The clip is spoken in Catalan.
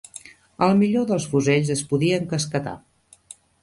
El millor dels fusells es podia encasquetar